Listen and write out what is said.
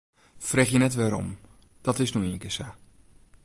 Freegje net wêrom, dat is no ienkear sa.